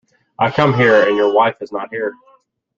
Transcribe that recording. I come here, and your wife is not here.